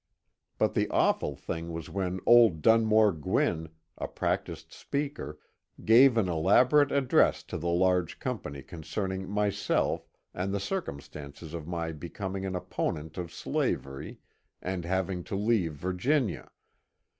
But the awful thing was when old Dunmore Gwinn, a practised speaker, gave an elaborate address to the large company concerning myself and the circumstances of my be coming an opponent of slavery, and having to leave Virginia.